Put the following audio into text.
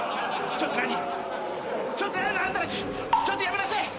ちょっとやめなさい！